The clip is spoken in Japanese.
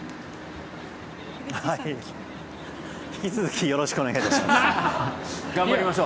引き続きよろしくお願いいたします。